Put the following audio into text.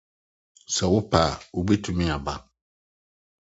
Sɛ wopɛ a, wubetumi aba.